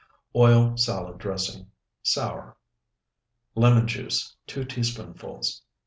OIL SALAD DRESSING (SOUR) Lemon juice, 2 teaspoonfuls.